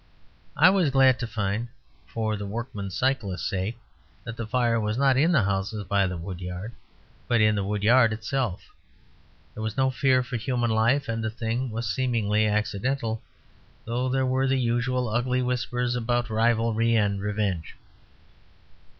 I was glad to find (for the workman cyclist's sake) that the fire was not in the houses by the wood yard, but in the wood yard itself. There was no fear for human life, and the thing was seemingly accidental; though there were the usual ugly whispers about rivalry and revenge.